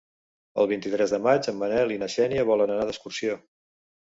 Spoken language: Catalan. El vint-i-tres de maig en Manel i na Xènia volen anar d'excursió.